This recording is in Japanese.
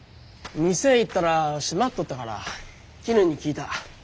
店ぇ行ったら閉まっとったからきぬに聞いた。